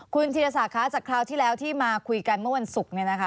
คุณธิรษฐาคราที่เรามาคุยกันเมื่อวันศุษย์